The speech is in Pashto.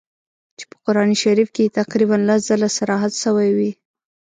چي په قرآن شریف کي یې تقریباً لس ځله صراحت سوی وي.